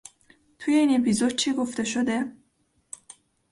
توی این اپیزود چی گفته شده؟